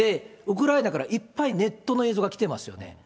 ウクライナからいっぱいネットの映像が来てますよね。